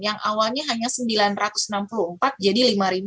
yang awalnya hanya sembilan ratus enam puluh empat jadi lima satu ratus lima puluh sembilan